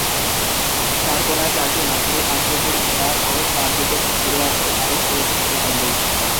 চার কোণায় চারটি মাঝারি আকৃতির মিনার ও চারদিকে ঘিরে আছে আরো ষোলটি ছোট গম্বুজ।